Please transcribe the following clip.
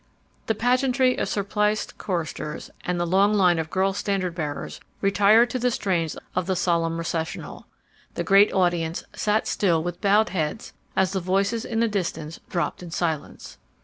The pageantry of surpliced choristers and the long line of girl standard bearers retired to the strains of the solemn recessional. The great audience sat still with bowed heads as the voices in the distance dropped in silence.